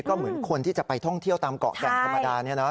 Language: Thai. ก็เหมือนคนที่จะไปท่องเที่ยวตามเกาะแก่งธรรมดานี่นะ